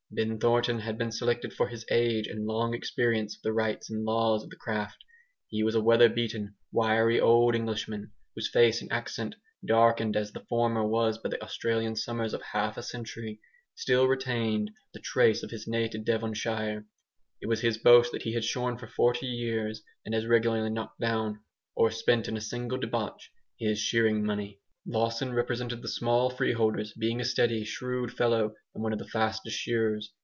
Ben Thornton had been selected for his age and long experience of the rights and laws of the craft. He was a weather beaten, wiry old Englishman, whose face and accent, darkened as the former was by the Australian summers of half a century, still retained the trace of his native Devonshire. It was his boast that he had shorn for forty years, and as regularly "knocked down" (or spent in a single debauch) his shearing money. Lawson represented the small free holders, being a steady, shrewd fellow, and one of the fastest shearers.